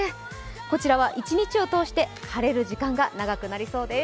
こちらは一日を通して晴れる時間が長くなりそうです。